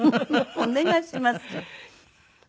お願いします。